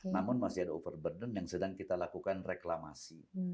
namun masih ada overburden yang sedang kita lakukan reklamasi